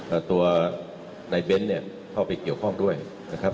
อ่าตัวในเบ้นเนี่ยเข้าไปเกี่ยวข้องด้วยนะครับ